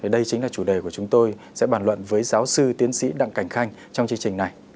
đây chính là chủ đề của chúng tôi sẽ bàn luận với giáo sư tiến sĩ đặng cảnh khanh trong chương trình này